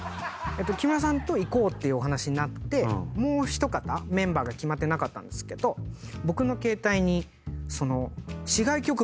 木村さんと行こうっていうお話になってもう一方メンバーが決まってなかったんですけど僕の携帯に。